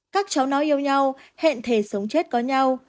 các cháu nói yêu nhau hẹn thề sống chết có nhau